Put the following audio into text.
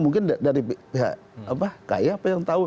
mungkin dari pihak kay apa yang tahu